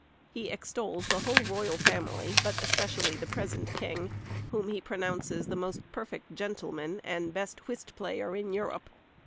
He extols the whole royal family, but especially the present king, whom he pronounces the most perfect gentleman and best whist player in Europe.